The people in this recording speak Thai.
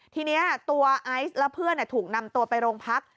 ทีนี้ตัวไอซ์และเพื่อนถูกนำตัวไปโรงพัก